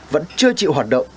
vẫn chưa chịu hoạt động